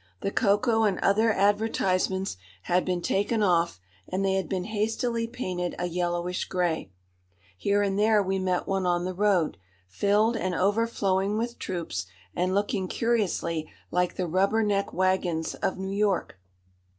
The cocoa and other advertisements had been taken off and they had been hastily painted a yellowish grey. Here and there we met one on the road, filled and overflowing with troops, and looking curiously like the "rubber neck wagons" of New York.